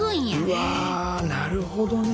うわなるほどね！